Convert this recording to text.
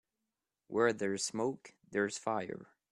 Where there's smoke there's fire.